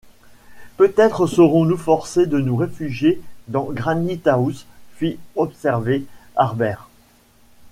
Peut-être serons-nous forcés de nous réfugier dans Granite-house fit observer Harbert